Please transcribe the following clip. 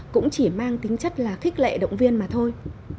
cũng chỉ mang tính chất là khích lệ động viên mà thôi